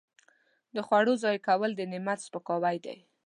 د خوړو ضایع کول د نعمت سپکاوی دی.